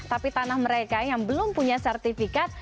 tapi tanah mereka yang belum punya sertifikat